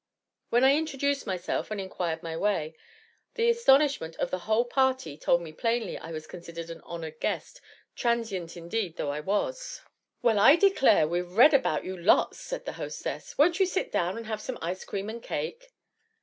When I introduced myself, and inquired my way, the astonishment of the whole party told me plainly I was considered an honored guest, transient indeed though I was. "Well, I declare, we've read about you lots;" said the hostess. "Won't you sit down and have some ice cream and cake?"